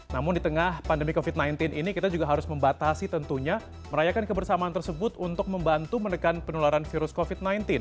namun di tengah pandemi covid sembilan belas ini kita juga harus membatasi tentunya merayakan kebersamaan tersebut untuk membantu menekan penularan virus covid sembilan belas